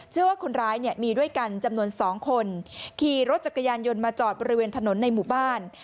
ว่าคนร้ายเนี่ยมีด้วยกันจำนวนสองคนขี่รถจักรยานยนต์มาจอดบริเวณถนนในหมู่บ้าน